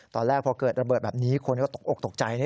ตอนแรกพอเกิดระเบิดแบบนี้คนก็ตกอกตกใจ